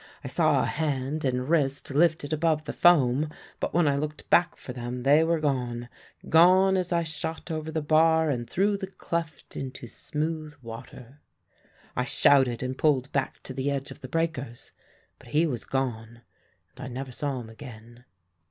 I saw a hand and wrist lifted above the foam, but when I looked back for them they were gone gone as I shot over the bar and through the cleft into smooth water. I shouted and pulled back to the edge of the breakers; but he was gone, and I never saw him again.